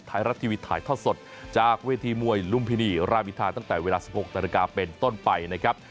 ไทยรัฐทีวีถ่ายทอดสดจากเวทีมวยลุมพินีรามอินทาตั้งแต่เวลา๑๖นาฬิกาเป็นต้นไปนะครับ